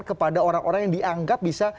kepada orang orang yang dianggap bisa